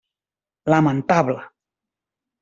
Lamentable.